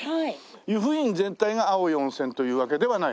由布院全体が青い温泉というわけではないの？